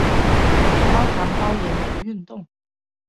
高糖高盐不运动